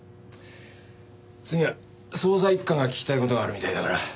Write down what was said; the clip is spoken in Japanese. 次は捜査一課が聞きたい事があるみたいだから。